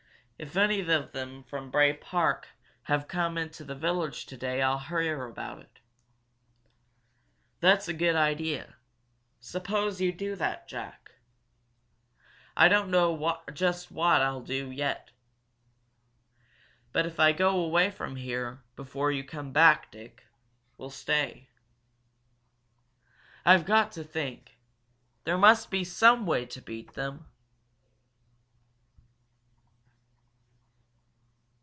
If any of them from Bray Park have come into the village today I'll hear about it." "That's a good idea. Suppose you do that, Jack. I don't know just what I'll do yet. But if I go away from here before you come back, Dick will stay. I've got to think there must be some way to beat them!"